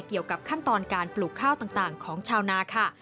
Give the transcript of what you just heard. เกี่ยวกับขั้นตอนการปลูกข้าวต่างของชาวนาค่ะ